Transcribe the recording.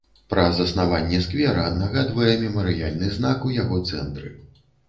Пра заснаванне сквера нагадвае мемарыяльны знак у яго цэнтры.